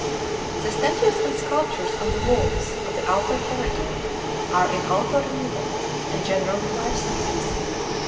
The statues and sculptures on the walls of the outer corridor are in alto relievo, and generally life size.